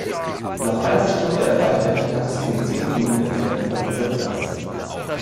Nach einer Stunde erreichte er per Taxi den zehn Minuten entfernten Pariser Platz.